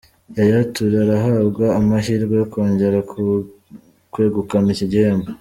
Yaya Toure arahabwa amahirwe yo kongera kwegukana iki gihembo.